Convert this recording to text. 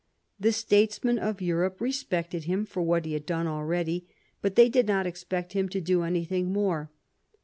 The statesmen of Europe respected him for what he had done abready, but they did not expect him to do anything mofe.